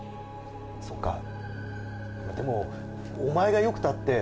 「そっかでもお前がよくたって」